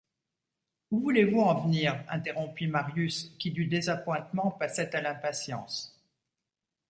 Où voulez-vous en venir? interrompit Marius qui du désappointement passait à l’impatience.